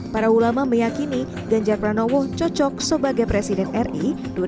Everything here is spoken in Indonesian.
para ulama meyakini ganjar pranowo cocok sebagai presiden ri dua ribu dua puluh empat dua ribu dua puluh sembilan